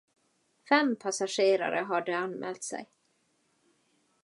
Fem passagerare hade anmält sig.